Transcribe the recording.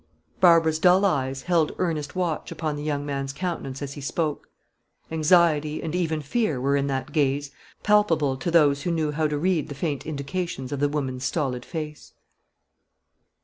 Barbara's dull eyes held earnest watch upon the young man's countenance as he spoke. Anxiety and even fear were in that gaze, palpable to those who knew how to read the faint indications of the woman's stolid face.